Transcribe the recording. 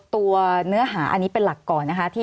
สวัสดีครับทุกคน